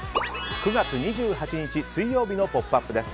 ９月２８日、水曜日の「ポップＵＰ！」です。